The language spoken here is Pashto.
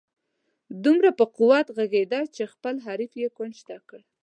دومره په قوت ږغېده چې خپل حریف یې کونج ته کړ.